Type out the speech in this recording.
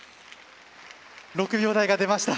６秒台が出ました。